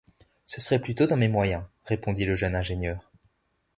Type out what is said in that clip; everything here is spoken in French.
Ce serait plutôt dans mes moyens, répondit le jeune ingénieur.